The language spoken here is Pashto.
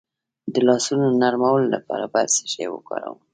د لاسونو نرمولو لپاره باید څه شی وکاروم؟